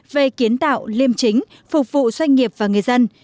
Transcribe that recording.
về kiến tạo liêm chính phục vụ doanh nghiệp và người dân